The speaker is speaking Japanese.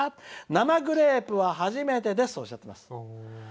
「生グレープは初めてです」とおっしゃっています。